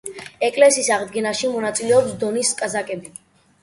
ეკლესიის აღდგენაში მონაწილეობენ დონის კაზაკები.